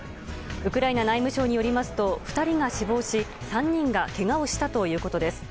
ウクライナ内務省によりますと２人が死亡し３人がけがをしたということです。